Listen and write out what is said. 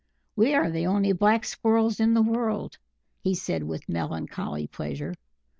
"We are the only Black Squirrels in the world," he said with melancholy pleasure.